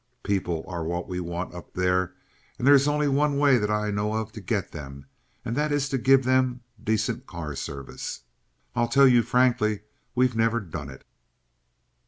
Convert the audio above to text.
People are what we want up there, and there is only one way that I know of to get them, and that is to give them decent car service. I'll tell you frankly we've never done it."